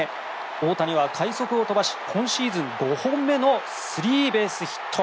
大谷は、快足を飛ばし今シーズン５本目のスリーベースヒット。